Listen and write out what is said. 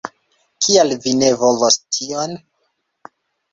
Kial vi ne volos tion?